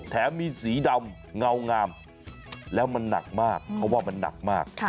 แถมมีสีดำเงางามแล้วมันหนักมากเขาว่ามันหนักมาก